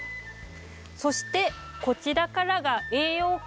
そしてこちらからが栄養系。